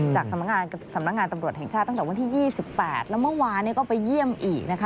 จากสำนักงานตำรวจแห่งชาติตั้งแต่วันที่๒๘แล้วเมื่อวานก็ไปเยี่ยมอีกนะคะ